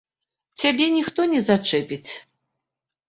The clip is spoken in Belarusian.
Цябе ніхто не зачэпіць.